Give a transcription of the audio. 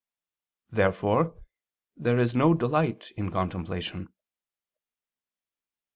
Therefore there is no delight in contemplation. Obj.